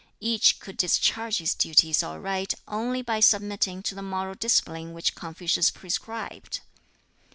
Each could discharge his duties aright only by submitting to the moral discipline which Confucius prescribed.